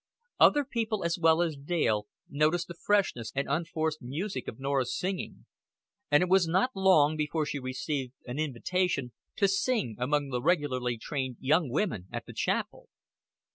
Other people as well as Dale noticed the freshness and unforced music of Norah's singing, and it was not long before she received an invitation to sing among the regularly trained young women at the chapel.